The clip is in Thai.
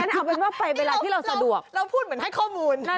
เอาเป็นว่าไปเวลาที่เราสะดวกเราพูดเหมือนให้ข้อมูล